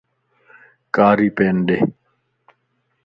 ڪاري پين ڏي